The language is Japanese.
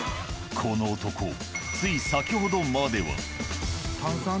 この男つい先ほどまでは。